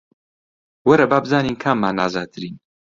وەرە با بزانین کاممان ئازاترین